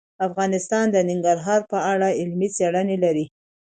افغانستان د ننګرهار په اړه علمي څېړنې لري.